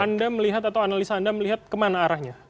anda melihat atau analisa anda melihat kemana arahnya